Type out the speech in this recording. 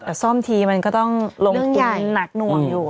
แต่ซ่อมทีมันก็ต้องลงทุนหนักหน่วงอยู่